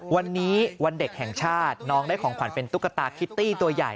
วันนี้วันเด็กแห่งชาติน้องได้ของขวัญเป็นตุ๊กตาคิตตี้ตัวใหญ่